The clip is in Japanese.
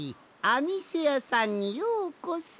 「あみせやさん」にようこそ。